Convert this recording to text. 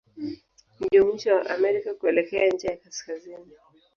Ndio mwisho wa Amerika kuelekea ncha ya kaskazini.